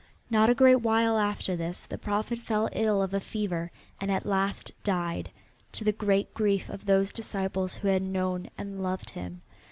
Not a great while after this the Prophet fell ill of a fever, and at last died, to the great grief of those disciples who had known and loved him.